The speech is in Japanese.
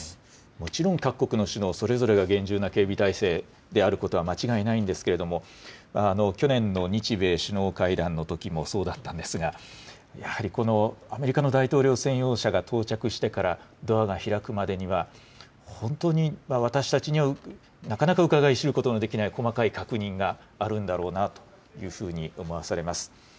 もちろん各国の首脳それぞれが厳重な警備態勢であることは間違いないんですけれども、去年の日米首脳会談のときもそうだったんですが、やはりこのアメリカの大統領専用車が到着してからドアが開くまでには本当に私たちにはなかなかうかがい知ることのできない細かい確認があるんだろうなというふうに思わされます。